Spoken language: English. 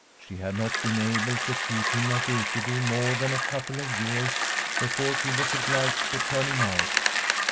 She had not been able to keep him at Ekeby more than a couple of years before she was obliged to turn him out.